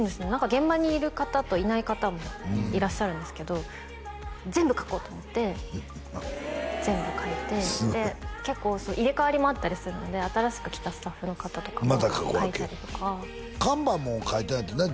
現場にいる方といない方もいらっしゃるんですけど全部書こうと思って全部書いてで結構入れ替わりもあったりするので新しく来たスタッフの方とかも書いたりとか看板も書いたんやってな？